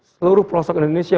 seluruh pelosok indonesia